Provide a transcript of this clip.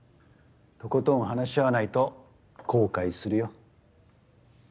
とことん話し合わないと後悔するよ。